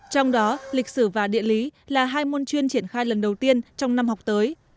trong đó lịch sử và địa lý là hai môn chuyên triển khai lần đầu tiên trong năm học tới